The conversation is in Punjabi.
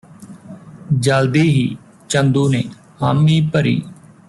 ਜਲਦੀ ਹੀ ਚੰਦੂ ਨੇ ਹਾਮੀ ਭਰੀ